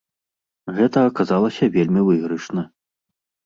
Гэта аказалася вельмі выйгрышна.